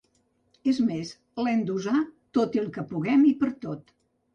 És més, l’hem d’usar, tot el que puguem i per tot.